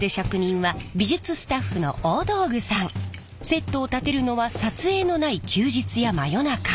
セットを建てるのは撮影のない休日や真夜中。